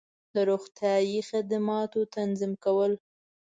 د روغتیایی خدماتو تنظیم کول